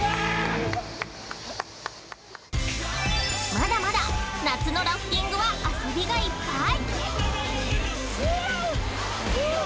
◆まだまだ夏のラフティングは遊びがいっぱい。